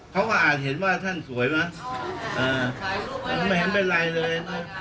เขาอาจเห็นว่าท่านสวยไหมไม่เป็นไรเลย